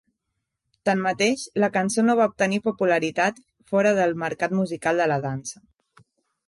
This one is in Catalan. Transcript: Tanmateix, la cançó no va obtenir popularitat fora del mercat musical de la dansa.